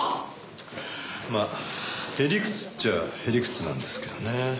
まあ屁理屈っちゃあ屁理屈なんですけどね。